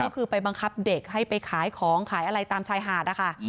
ก็คือไปบังคับเด็กให้ไปขายของขายอะไรตามชายหาดนะคะ